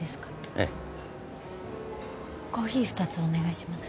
ええコーヒー二つお願いします